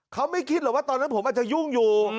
เขาไม่คิดหรอกว่าตอนนั้นผมอาจจะยุ่งอยู่